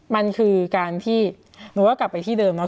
มันคือการที่หนูว่ากลับไปที่เดิมเนอ